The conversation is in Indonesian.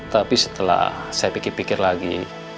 tapi setelah saya pikir pikir lagi